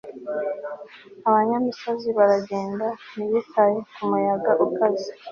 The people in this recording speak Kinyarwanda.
abanyamisozi baragenda, ntibitaye ku muyaga ukaze